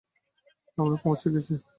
আমরা পৌঁছে গেছি।